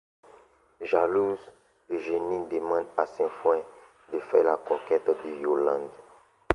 Jalouse, Eugénie demande à Sainfoin de faire la conquête de Yolande.